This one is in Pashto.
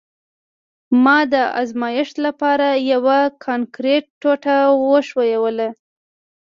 ما د ازمایښت لپاره یوه د کانکریټ ټوټه وښویوله